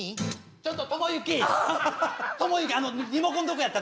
「ちょっと」。